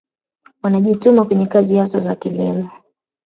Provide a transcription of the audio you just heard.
Wanajituma kwenye kazi hasa za kilimo